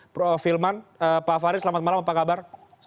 prof hilman pak farid selamat malam apa kabar